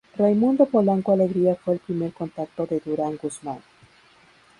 Raymundo Polanco Alegría fue el primer contacto de Durán Guzmán.